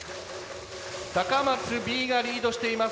高松Ｂがリードしています